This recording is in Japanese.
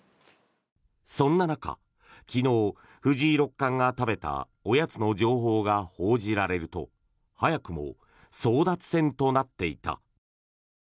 そんな中、昨日藤井六冠が食べたおやつの情報が報じられると早くも争奪戦となっていた。